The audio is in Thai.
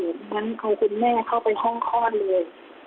งั้นเอาคุณแม่เข้าไปห้องคลอดเลย